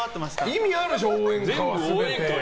意味あるでしょ、応援歌は。